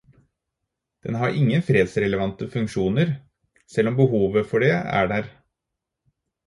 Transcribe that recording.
Den har ingen fredsrelevante funksjoner, selv om behovet for det er der.